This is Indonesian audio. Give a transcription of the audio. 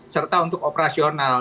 serta untuk operasional